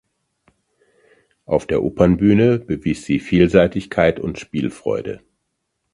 Auf der Opernbühne bewies sie Vielseitigkeit und Spielfreude.